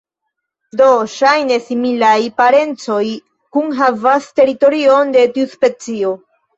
Du ŝajne similaj parencoj kunhavas la teritorion de tiu specio.